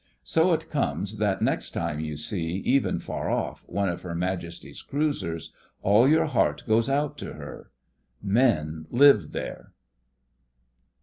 So it comes that next time you see, even far off, one of Her Majesty's cruisers, all your heart goes out to her. Men live there.